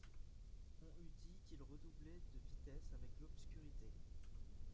On eût dit qu'il redoublait de vitesse avec l'obscurité.